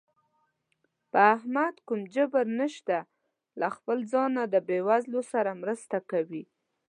په احمد کوم جبر نشته، له خپله ځانه د بېوزلو سره مرسته کوي.